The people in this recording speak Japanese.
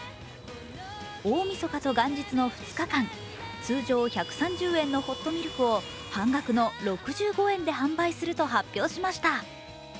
大みそかと元日の２日間、通常１３０円のホットミルクを半額の６５円で販売すると発表しました。